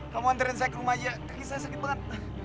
kamu anterin saya ke rumah aja sakit banget